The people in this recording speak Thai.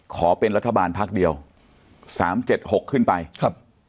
ขอเป็นรัฐบาลพักเดียวสามเจ็ดหกขึ้นไปครับ